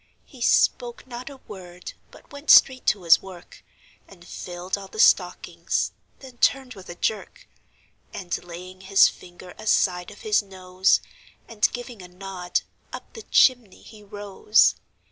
He spoke not a word, but went straight to his work, And filled all the stockings; then turned with a jerk, And laying his finger aside of his nose, And giving a nod, up the chimney he rose.